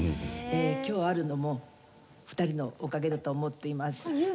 今日あるのも２人のおかげだと思っています。